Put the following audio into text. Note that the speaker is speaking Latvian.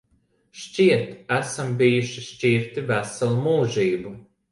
Šķiet, esam bijuši šķirti veselu mūžību.